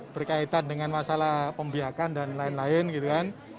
berkaitan dengan masalah pembiakan dan lain lain gitu kan